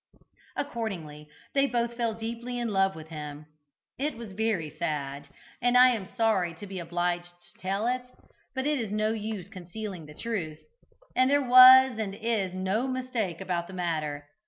Accordingly they both fell deeply in love with him. It was very sad, and I am sorry to be obliged to tell it, but it is no use concealing the truth, and there was and is no mistake about the matter.